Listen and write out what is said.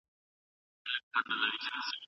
زوم د نجلۍ اقتصادي وضعيت ته هيڅ پاملرنه نه وه کړې.